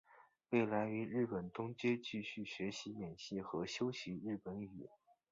未来于日本东京继续学习演戏和修习日本语。